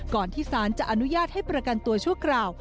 ที่สารจะอนุญาตให้ประกันตัวชั่วคราว